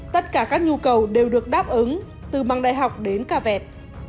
tất cả các nhu cầu đều được đáp ứng từ bằng đại học đến ca vẹt